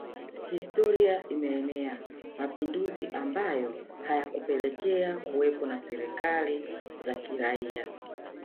Historia imeenea mapinduzi ambayo hayakupelekea kuwepo na serikali za kiraia